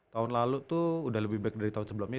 tahun lalu tuh udah lebih baik dari tahun sebelumnya